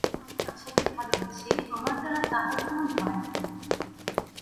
আমি আশাকে ভালোবাসি, আমার দ্বারা তাহার কোনো ভয় নাই।